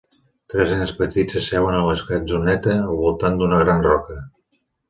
Tres nens petits s'asseuen a la gatzoneta al voltant d'una gran roca.